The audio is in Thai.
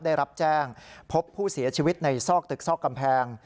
ได้รับแจ้งพบผู้เสียชีวิตในซอกตึกซอกกำแพง